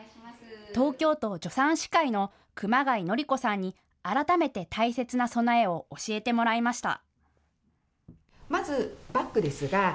東京都助産師会の熊谷典子さんに改めて大切な備えを教えてもらいました。